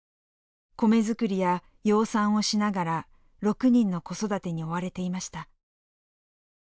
米作りや養蚕をしながら６人の子育てに追われていました。